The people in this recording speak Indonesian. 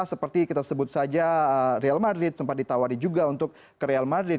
seperti kita sebut saja real madrid sempat ditawari juga untuk ke real madrid